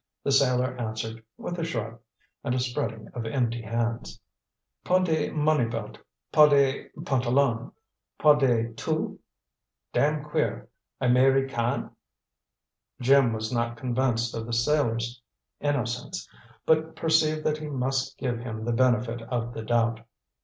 The sailor answered with a shrug and a spreading of empty hands. "Pas de money belt, pas de pantalon, pas de tous! Dam queer Amayricain!" Jim was not convinced of the sailor's innocence, but perceived that he must give him the benefit of the doubt.